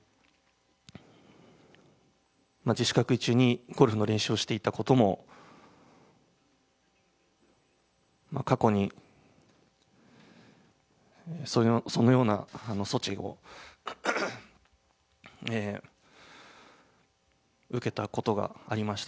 自主隔離中にゴルフの練習をしていたことも、過去にそのような措置を受けたことがありました。